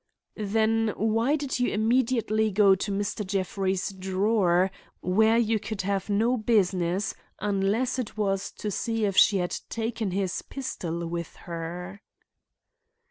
"Then why did you immediately go to Mr. Jeffrey's drawer, where you could have no business, unless it was to see if she had taken his pistol with her?"